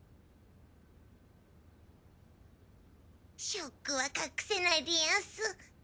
ショックは隠せないでヤンス。